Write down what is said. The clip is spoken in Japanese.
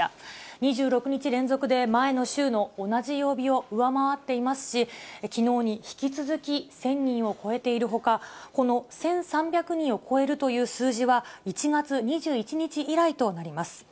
２６日連続で前の週の同じ曜日を上回っていますし、きのうに引き続き１０００人を超えているほか、この１３００人を超えるという数字は、１月２１日以来となります。